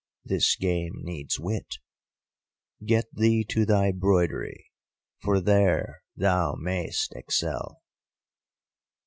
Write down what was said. This game needs wit! Get thee to thy broidery, for there thou may'st excel.